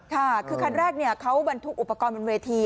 ค่ะคือคันแรกเขาบรรทุกอุปกรณ์บนเวที